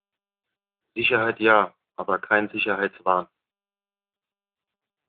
Sicherheit ja, aber kein Sicherheitswahn.